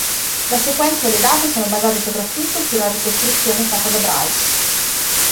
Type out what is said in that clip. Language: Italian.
La sequenza e le date sono basate soprattutto sulla ricostruzione fatta da Bryce.